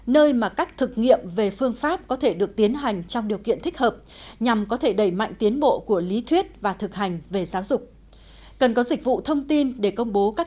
nơi mà các thư viện và các trường đặc biệt cần được giáo dục